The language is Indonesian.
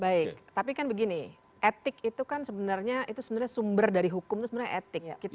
baik tapi kan begini etik itu kan sebenarnya itu sebenarnya sumber dari hukum itu sebenarnya etik